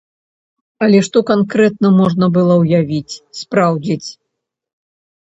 Але што канкрэтна можна было ўявіць, спраўдзіць?